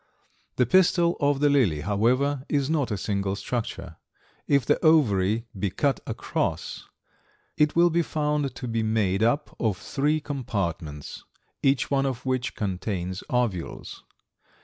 The pistil of the lily, however, is not a single structure. If the ovary be cut across, it will be found to be made up of three compartments, each one of which contains ovules.